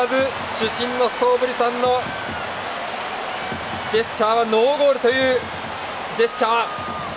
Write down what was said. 主審のストーブリさんのジェスチャーはノーゴールというジェスチャー。